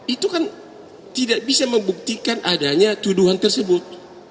itu kan tidak bisa membuktikan adanya tuduhan tersebut